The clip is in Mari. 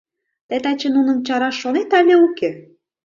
Тый таче нуным чараш шонет але уке?